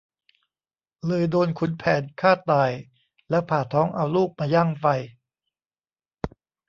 เลยโดนขุนแผนฆ่าตายแล้วผ่าท้องเอาลูกมาย่างไฟ